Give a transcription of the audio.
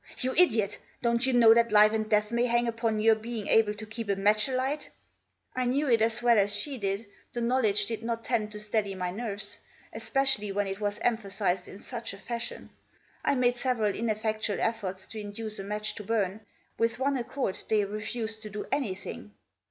* You idiot I Dorft you know that life and death may hang upon your being able to keep a match alight?" I taiew It as well as she did. The knowledge did not tend to steady my nerves ; especially when it was emphasised hi such a fashion. I made several in effectual efforts to induce a match to burn ; with one accord they refused to do anything.